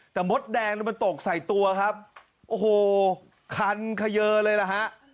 แต่มดแดงมันตกใส่ตัวครับโอ้โหคันเขยอเลยล่ะฮะ